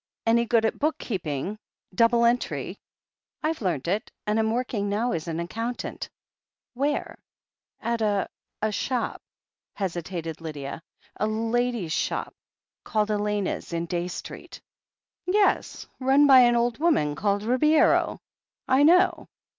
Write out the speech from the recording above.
"Any good at book keeping? Double entry?" "Fve learnt it, and am working now as accountant." "Where?" "At a — ^a shop," hesitated Lydia. "A ladies' shop, called Elena's, in Day Street." "Yes — run by an .old woman called Ribeiro. I know."